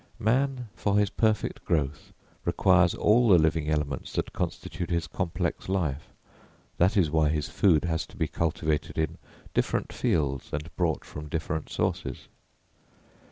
Man for his perfect growth requires all the living elements that constitute his complex life; that is why his food has to be cultivated in different fields and brought from different sources.